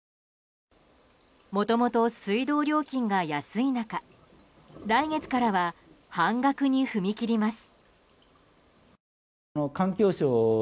もともと水道料金が安い中来月からは半額に踏み切ります。